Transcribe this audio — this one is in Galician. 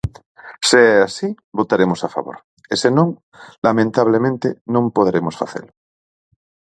Se é así, votaremos a favor, e se non, lamentablemente, non poderemos facelo.